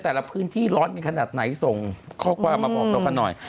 แต่ละพื้นที่ร้อนเป็นขนาดไหนส่งเข้าความมาพวกเขาหน่อย